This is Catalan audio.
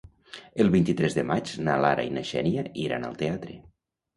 El vint-i-tres de maig na Lara i na Xènia iran al teatre.